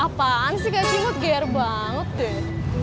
apaan sih kak cimot geyer banget deh